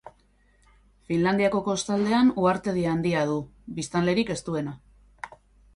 Finlandiako kostaldean uhartedi handia du, biztanlerik ez duena.